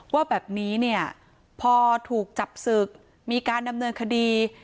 ว่าแบบนี้เนี่ยพอถูกจับศึกมีการดำเนินคดี